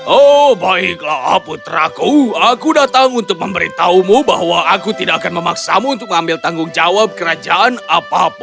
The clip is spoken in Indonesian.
oh baiklah putraku aku datang untuk memberitahumu bahwa aku tidak akan memaksamu untuk mengambil tanggung jawab kerajaan apapun